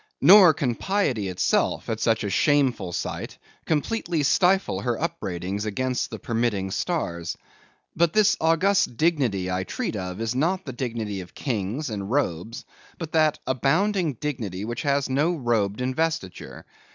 Nor can piety itself, at such a shameful sight, completely stifle her upbraidings against the permitting stars. But this august dignity I treat of, is not the dignity of kings and robes, but that abounding dignity which has no robed investiture.